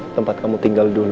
tempat kamu tinggal dulu